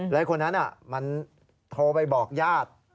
และคนนั้นมันโทรไปบอกญาติ